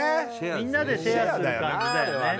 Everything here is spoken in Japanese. みんなでシェアする感じだよね